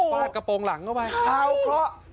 บาดกระโปรงหลังเข้าไป